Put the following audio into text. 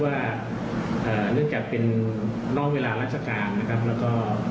การให้บริการของเจ้าหน้าที่เรานะ